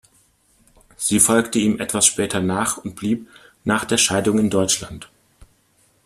Sie folgte ihm etwas später nach und blieb nach der Scheidung in Deutschland.